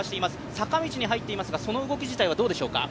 坂道に入っていますがその動き自体はどうでしょうか？